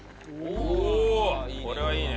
これはいいね。